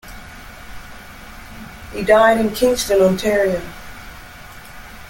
He died in Kingston, Ontario.